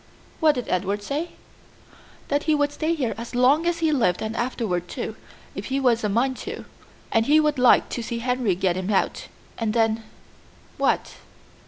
"What did Edward say?" "That he would stay here as long as he lived and afterward, too, if he was a mind to, and he would like to see Henry get him out; and then " "What?"